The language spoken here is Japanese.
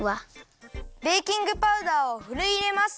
ベーキングパウダーをふるいいれます。